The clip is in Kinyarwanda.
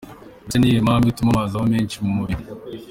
Mbese ni iyihe mpamvu ituma amazi aba menshi mu mubiri?.